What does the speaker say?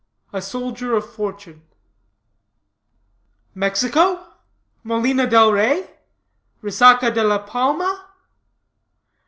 A SOLDIER OF FORTUNE. "Mexico? Molino del Rey? Resaca de la Palma?"